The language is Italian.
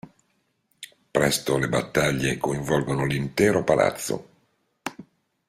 Presto le battaglie coinvolgono l'intero palazzo.